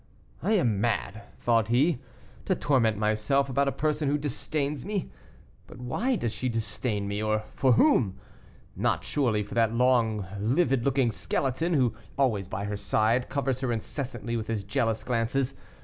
"I am mad," thought he, "to torment myself about a person who disdains me. But why does she disdain me, or for whom? Not, surely, for that long, livid looking skeleton, who, always by her side, covers her incessantly with his jealous glances.